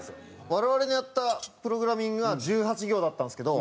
我々のやったプログラミングは１８行だったんですけど。